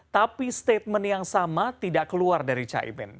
tapi statement yang sama tidak keluar dari caimin